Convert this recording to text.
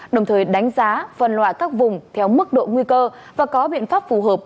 đồng thời đánh giá phân loại các vùng theo mức độ nguy cơ và có biện pháp phù hợp